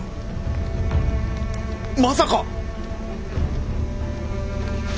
まさか！